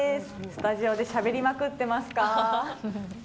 スタジオでしゃべりまくってますか？